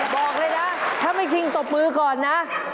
บอกเลยนะถ้าไม่ชิงตบมือก่อนนะ